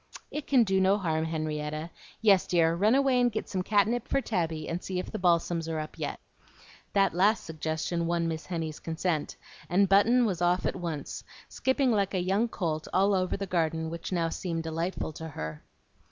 "It can do no harm, Henrietta. Yes, dear, run away and get some catnip for Tabby, and see if the balsams are up yet." That last suggestion won Miss Henny's consent; and Button was off at once, skipping like a young colt all over the garden, which now seemed delightful to her.